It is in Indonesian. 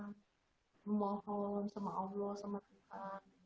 memohon sama allah sama kita